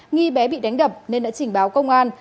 nghi bé bị đánh đập nên đã trình báo công an